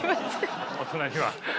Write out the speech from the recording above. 大人には。